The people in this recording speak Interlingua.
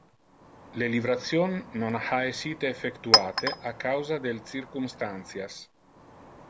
Le livration non ha essite effectuate a causa del circumstantias.